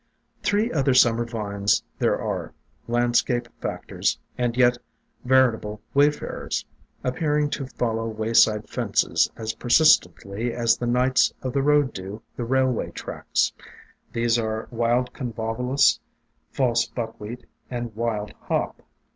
Three other Summer vines there are, — landscape factors, and yet veritable wayfarers, — appearing to follow wayside fences as persistently as the Knights of the Road do the railway tracks. These are Wild Convolvulus, False Buckwheat, and Wild Hop.